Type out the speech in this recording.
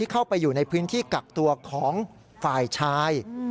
เข้าไปอยู่ในพื้นที่กักตัวของฝ่ายชาย